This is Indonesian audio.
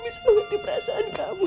bisa mengerti perasaan kamu